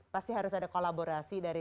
pasti harus ada kolaborasi dari